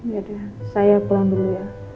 ya dia saya pulang dulu ya